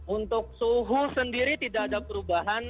untuk suhu sendiri tidak ada perubahan